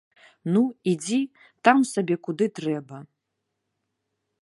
Ну, ідзі там сабе куды трэба.